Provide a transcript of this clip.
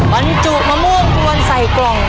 มันจูบมะม่วงรวมใส่กล่อง